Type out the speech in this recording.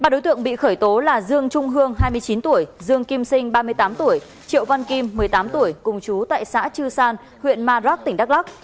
ba đối tượng bị khởi tố là dương trung hương hai mươi chín tuổi dương kim sinh ba mươi tám tuổi triệu văn kim một mươi tám tuổi cùng chú tại xã chư san huyện madrak tỉnh đắk lắc